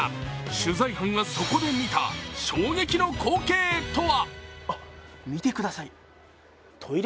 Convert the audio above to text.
取材班がそこで見た衝撃の光景とは？